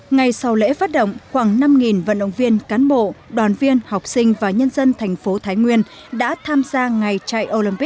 ngày sau lễ phát động khoảng năm vận động viên cán bộ đoàn viên học sinh và nhân dân thành phố thái nguyên đã tham gia ngày trại ấu